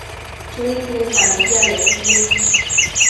Chuiquin tantiamequin